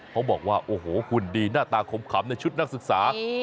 เขาบอกว่าโอ้โหหุ่นดีหน้าตาขมขำในชุดนักศึกษา